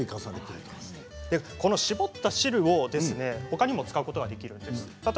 搾った汁を、ほかにも使うことができるんです。